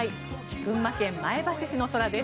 群馬県前橋市の空です。